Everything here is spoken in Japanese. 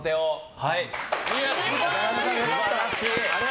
素晴らしい。